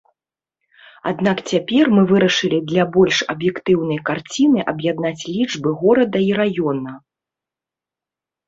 Аднак цяпер мы вырашылі для больш аб'ектыўнай карціны аб'яднаць лічбы горада і раёна.